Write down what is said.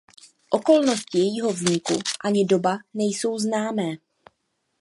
Okolnosti jejího vzniku ani doba nejsou známé.